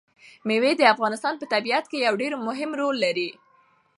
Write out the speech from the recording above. مېوې د افغانستان په طبیعت کې یو ډېر مهم رول لري.